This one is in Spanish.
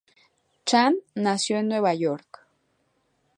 Chand nació en Nueva York.